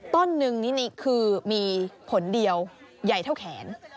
ต้นนึงนี่คือมีผลเดียวใหญ่เท่าแขน